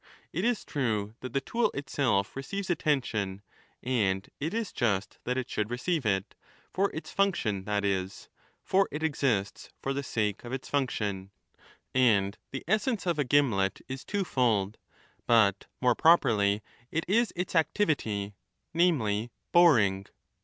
It is 15 true that the tool itself^ receives attention, and it is just that it should receive it, for its function, that is ; for it exists, for the sake of its function. And the essence of a gimlet is twofold, but more properly it is its activity, namely boring.